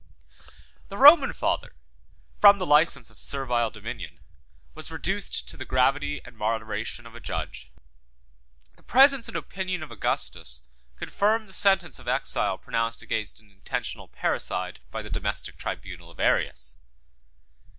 109 The Roman father, from the license of servile dominion, was reduced to the gravity and moderation of a judge. The presence and opinion of Augustus confirmed the sentence of exile pronounced against an intentional parricide by the domestic tribunal of Arius.